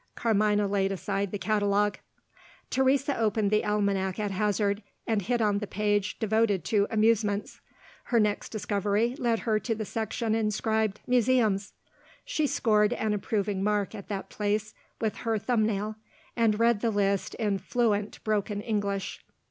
Carmina laid aside the catalogue. Teresa opened the Almanac at hazard, and hit on the page devoted to Amusements. Her next discovery led her to the section inscribed "Museums." She scored an approving mark at that place with her thumbnail and read the list in fluent broken English.